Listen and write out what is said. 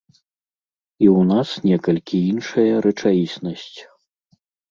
І ў нас некалькі іншая рэчаіснасць.